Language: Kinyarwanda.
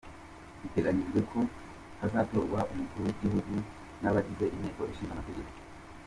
Biteganyijwe ko hazatorwa umukuru w’igihugu n’abagize inteko ishinga amategeko.